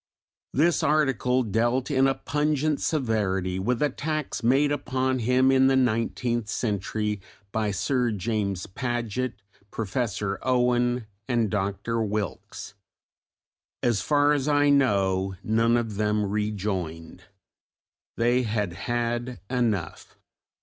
This article dealt in a pungent severity with attacks made upon him in the Nineteenth Century by Sir James Paget, Professor Owen and Dr. Wilks. As far as I know none of them rejoined. They had had enough!